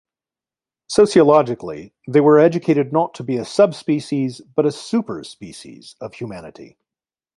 Sociologically, they were educated not to be a subspecies, but a "superspecies" of humanity.